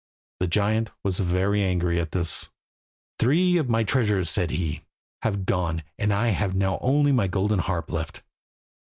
The giant was very angry at this. "Three of my treasures," said he, "have gone, and I have now only my golden harp left.